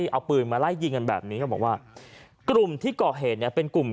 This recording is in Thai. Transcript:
เอาปืนมาไล่ยิงกันแบบนี้ก็บอกว่ากลุ่มที่ก่อเหตุเนี่ย